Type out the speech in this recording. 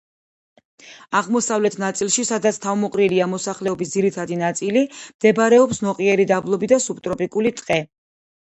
აღმოსავლეთ ნაწილში, სადაც თავმოყრილია მოსახლეობის ძირითადი ნაწილი, მდებარეობს ნოყიერი დაბლობი და სუბტროპიკული ტყე.